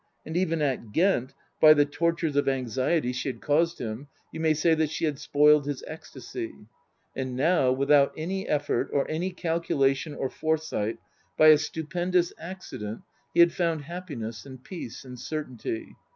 And even at Ghent, by the tortures of Book III : His Book 333 anxiety she had caused him, you may say that she had spoiled his ecstasy. And now, without any effort, or any calculation or foresight, by a stupendous accident, he had found happi ness and peace and certainty.